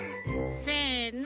せの。